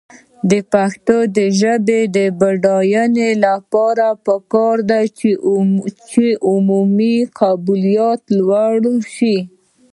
د پښتو ژبې د بډاینې لپاره پکار ده چې عمومي قبولیت لوړ شي.